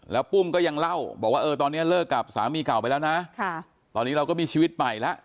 แล้วปุ้มก็ยังเล่าบอกว่าเออตอนนี้เลิกกับสามีเก่าไปแล้วนะตอนนี้เราก็มีชีวิตใหม่แล้ว